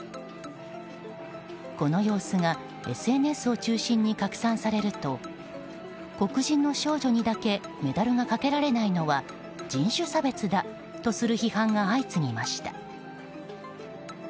この様子がＳＮＳを中心に拡散されると黒人の少女にだけメダルがかけられないのは人種差別だとする批判が相次ぎました。